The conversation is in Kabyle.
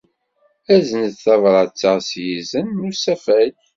Aznet tabṛat-a s yizen n usafag.